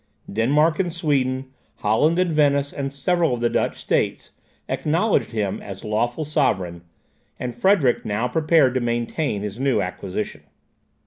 Denmark and Sweden, Holland and Venice, and several of the Dutch states, acknowledged him as lawful sovereign, and Frederick now prepared to maintain his new acquisition.